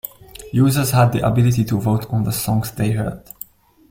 Users had the ability to vote on the songs they heard.